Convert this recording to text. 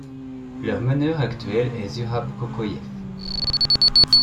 Leur meneur actuel est Zurab Kokoyev.